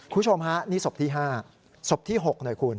คุณผู้ชมฮะนี่ศพที่๕ศพที่๖หน่อยคุณ